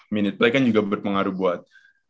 mini pledge kan juga berpengaruh buat